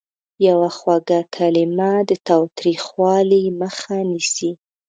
یوه خوږه کلمه د تاوتریخوالي مخه نیسي.